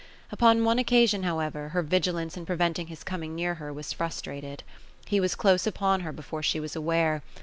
Upon one occasion, however, her vigilance in preventing his coming near her, was frustrated. He was close upon her before she was aware.